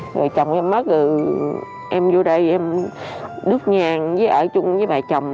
người chồng em mất rồi em vô đây em đứt nhàng với ở chung với bà chồng